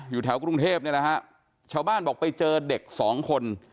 อยู่แถวกรุงเทพฯชาวบ้านบอกไปเจอเด็ก๒คน